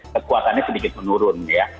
kekuatannya sedikit menurun ya